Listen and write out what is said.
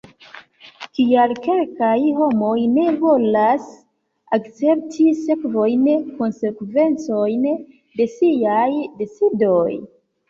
Kial kelkaj homoj ne volas akcepti sekvojn, konsekvencojn de siaj decidoj?